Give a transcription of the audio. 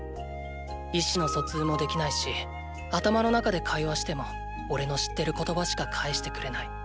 意思の疎通もできないし頭の中で会話してもおれの知ってる言葉しか返してくれない。